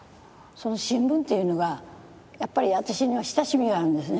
その新聞っていうのがやっぱり私には親しみがあるんですね。